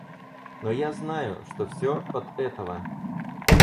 Но я знаю, что всё от этого...